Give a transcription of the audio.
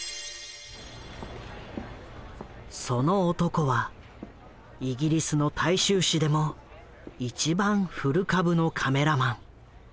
その男はイギリスの大衆紙でも一番古株のカメラマン。